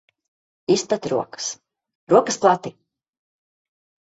Izplet rokas. Rokas plati!